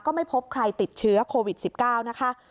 ไม่พบใครติดเชื้อโควิด๑๙นะคะ